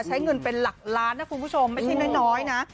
ใช้เงินเป็นหลักล้านนะคุณผู้ชมไม่ใช่น้อยนะ